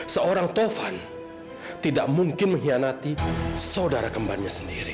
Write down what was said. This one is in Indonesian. seorang tovan tidak mungkin mengkhianati saudara kembarnya sendiri